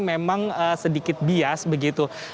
memang sedikit bias begitu